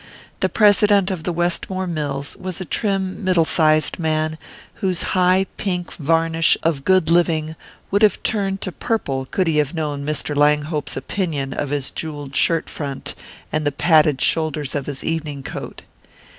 The President of the Westmore mills was a trim middle sized man, whose high pink varnish of good living would have turned to purple could he have known Mr. Langhope's opinion of his jewelled shirt front and the padded shoulders of his evening coat.